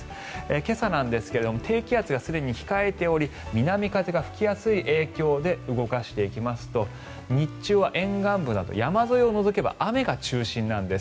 今朝なんですが低気圧がすでに控えており南風が吹きやすい影響で動かしていきますと日中は沿岸部など山沿いを除けば雨が中心なんです。